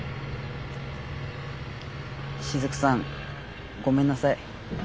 しずくさんごめんなさい。